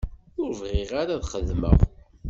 Ur bɣiɣ ara ad xedmeɣ.